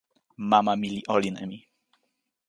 mama mi li olin e mi.